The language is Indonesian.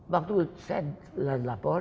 waktu saya dilapor